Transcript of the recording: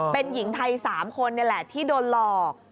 เป็นหญิงไทย๓คนนี่แหละที่โดนหลอก